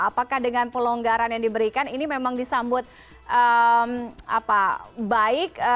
apakah dengan pelonggaran yang diberikan ini memang disambut baik